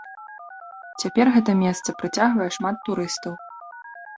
Цяпер гэта месца прыцягвае шмат турыстаў.